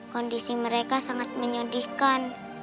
kondisi mereka sangat menyedihkan